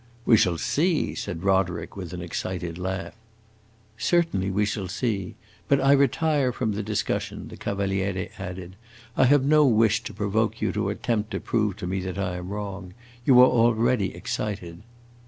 "We shall see!" said Roderick, with an excited laugh. "Certainly we shall see. But I retire from the discussion," the Cavaliere added. "I have no wish to provoke you to attempt to prove to me that I am wrong. You are already excited."